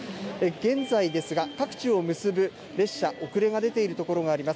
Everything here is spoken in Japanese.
現在、各地を結ぶ列車、遅れが出ているところがあります。